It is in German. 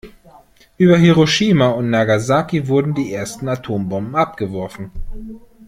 Über Hiroshima und Nagasaki wurden die ersten Atombomben abgeworfen.